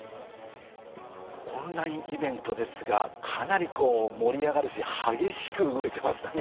オンラインイベントですがかなり盛り上がるし激しく動いてましたね